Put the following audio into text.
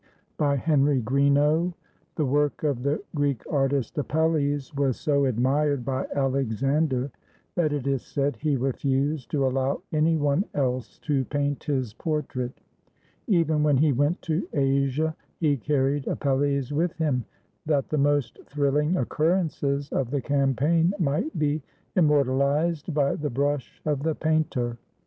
] BY HENRY GREENOUGH [The work of the Greek artist Apelles was so admired by Alexander that it is said he refused to allow any one else to paint his portrait. Even when he went to Asia, he carried Apelles with him, that the most thrilling occurrences of the campaign might be immortalized by the brush of the painter.